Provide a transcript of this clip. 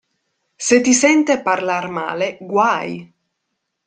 Se ti sente parlar male, guai!